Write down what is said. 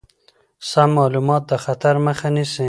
سم معلومات د خطر مخه نیسي.